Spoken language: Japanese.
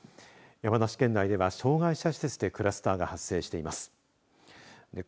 山梨県内では障害者施設でクラスターが発生しています。